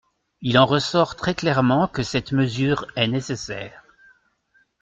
Il en ressort très clairement que cette mesure est nécessaire.